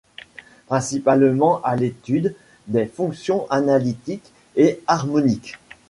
Principalement, à l'étude des fonctions analytiques et harmoniques.